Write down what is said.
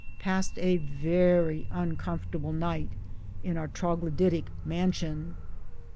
Passed a very uncomfortable night in our troglodytic mansion.